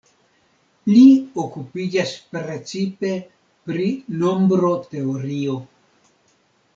Li okupiĝas precipe pri nombroteorio.